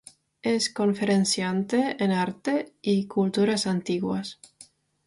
Es conferenciante en Arte y culturas antiguas.